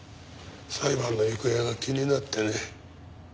裁判の行方が気になってね。